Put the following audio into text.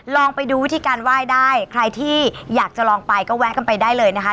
ลองไปดูวิธีการไหว้ได้ใครที่อยากจะลองไปก็แวะกันไปได้เลยนะคะ